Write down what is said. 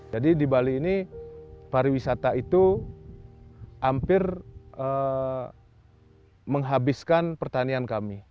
jadi di bali ini para wisata itu hampir menghabiskan pertanian kami